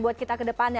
buat kita ke depannya